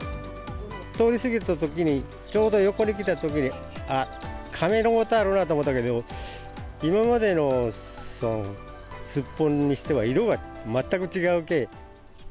通り過ぎたときに、ちょうど横に来たときに、あっ、亀のごとあるなと思ったけど、今までのスッポンにしては色が全く違うけ。